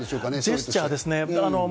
ジェスチャーですね。